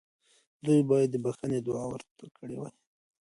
دوی باید د بخښنې دعا ورته کړې وای.